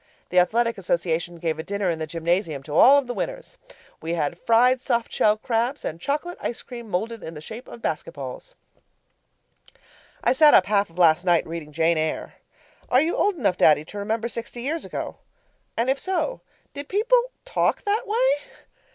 The athletic association gave a dinner in the gymnasium to all of the winners. We had fried soft shell crabs, and chocolate ice cream moulded in the shape of basket balls. I sat up half of last night reading Jane Eyre. Are you old enough, Daddy, to remember sixty years ago? And, if so, did people talk that way?